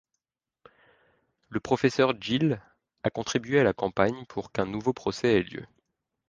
Le professeur Gill a contribué à la campagne pour qu'un nouveau procès ait lieu.